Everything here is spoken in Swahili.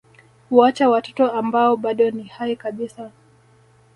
Huacha watoto ambao bado ni hai kabisa